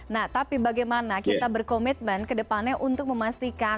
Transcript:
nah tapi bagaimana kita berkomitmen ke depannya untuk memastikan